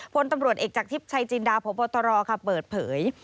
ผลตำรวจเอกจากชิปชัยจินดาพบค่ะเปิดเผย